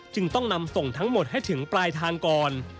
จึงต้องนำส่งทั้งหมดให้ถึงปลายทางก่อน